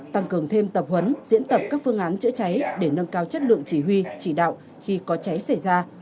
tăng cường thêm tập huấn diễn tập các phương án chữa cháy để nâng cao chất lượng chỉ huy chỉ đạo khi có cháy xảy ra